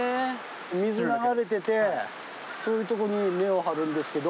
水流れててそういうとこに根を張るんですけど。